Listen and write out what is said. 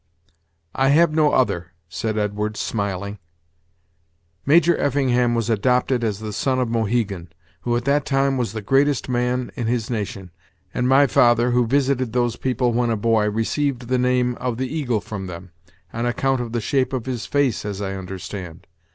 "I have no other," said Edwards, smiling "Major Effingham was adopted as the son of Mohegan, who at that time was the greatest man in his nation; and my father, who visited those people when a boy, received the name of the Eagle from them, on account of the shape of his face, as I understand.